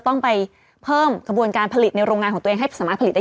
ต้องไปเพิ่มกระบวนการผลิตในโรงงานของตัวเองให้สามารถผลิตได้